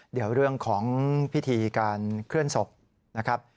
เดี๋ยวเรื่องของพิธีการเคลื่อนศพนะครับ